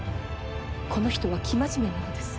この人は生真面目なのです。